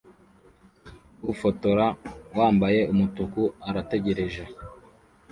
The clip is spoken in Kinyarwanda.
Ufotora wambaye umutuku arategereje